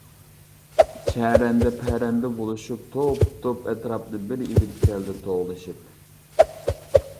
چەرەندە-پەرەندە بولۇشۇپ توپ-توپ، ئەتراپنى بىر ئېلىپ كەلدى توۋلىشىپ.